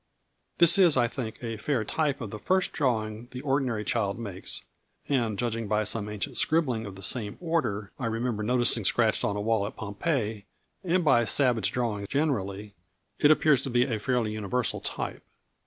This is, I think, a fair type of the first drawing the ordinary child makes and judging by some ancient scribbling of the same order I remember noticing scratched on a wall at Pompeii, and by savage drawing generally, it appears to be a fairly universal type.